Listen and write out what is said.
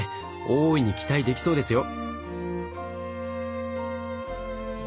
大いに期待できそうですよ！